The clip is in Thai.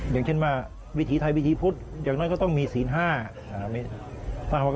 อย่างเช่นว่าวิถีไทยวิถีพุทธอย่างน้อยก็ต้องมีศีล๕